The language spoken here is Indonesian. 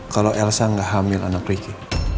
kalau elsa nggak hamil anak ricky